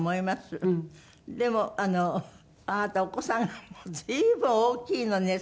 でもあのあなたお子さんが随分大きいのね。